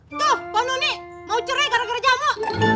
tuh bono nih mau cerai gara gara jamu